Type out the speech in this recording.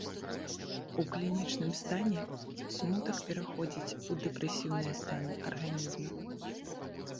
У клінічным стане смутак пераходзіць у дэпрэсіўныя станы арганізма.